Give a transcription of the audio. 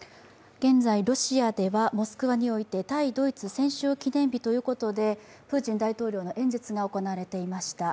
現在、ロシアではモスクワにおいて対ドイツ戦勝記念日のプーチン大統領の演説が行われていました。